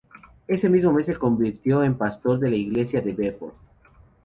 Ese mismo mes se convirtió en pastor de la iglesia de Bedford.